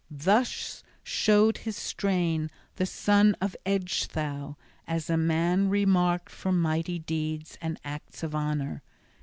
Thus showed his strain the son of Ecgtheow as a man remarked for mighty deeds and acts of honor.